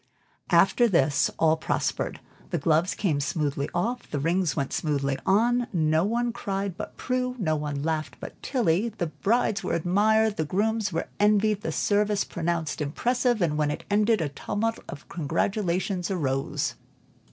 After this, all prospered. The gloves came smoothly off, the rings went smoothly on; no one cried but Prue, no one laughed but Tilly; the brides were admired, the grooms envied; the service pronounced impressive, and when it ended, a tumult of congratulations arose.